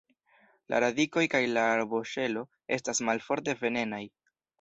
La radikoj kaj la arboŝelo estas malforte venenaj.